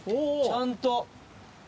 ちゃんと。